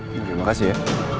terima kasih ya